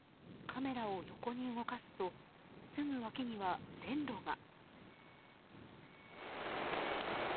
カメラを横に動かすとすぐ脇には、線路が。